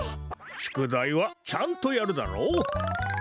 しゅくだいはちゃんとやるダロ。